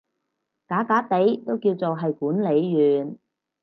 假假地都叫做係管理員